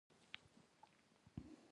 د ژبې خدمت ښکنځل نه دي.